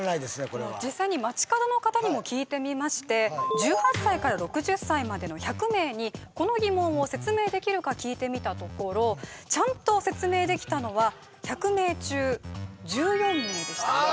これは１８歳から６０歳までの１００名にこの疑問を説明できるか聞いてみたところちゃんと説明できたのは１００名中１４名でしたああ